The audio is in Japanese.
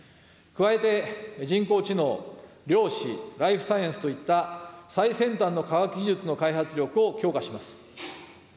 加えて人工知能、量子、ライフサイエンスといった最先端の科学技術の開発力を強化します。